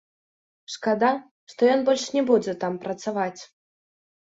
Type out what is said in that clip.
Шкада, што ён больш не будзе там працаваць.